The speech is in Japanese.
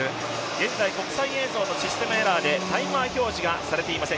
現在、国際映像のシステムエラーでタイマー表示がされていません。